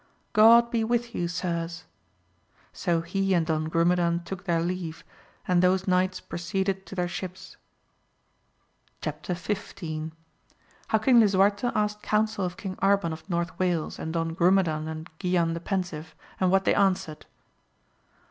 God be with you, sirs! so he and Don Grumedan took their leave, and those knights proceeded to their ships. Chap: XY. — How King Lisuarte asked counsel of King Arban of North Wales and Don Grumedan and Q iiilan the Pensiye, and what they answered.